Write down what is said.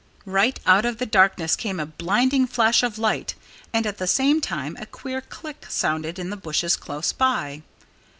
Right out of the darkness came a blinding flash of light. And at the same time a queer click sounded in the bushes close by.